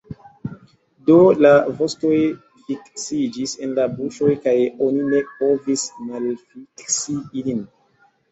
Do, la vostoj fiksiĝis en la buŝoj, kaj oni ne povis malfiksi ilin.